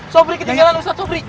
sobri ketinggalan ustadz sobri